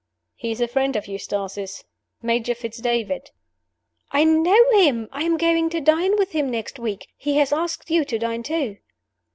"He is a friend of Eustace's. Major Fitz David." "I know him! I am going to dine with him next week. He has asked you to dine too."